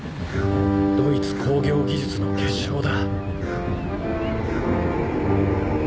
ドイツ工業技術の結晶だ。